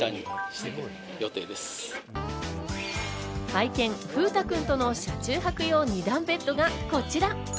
愛犬・風詠くんとの車中泊用２段ベッドがこちら。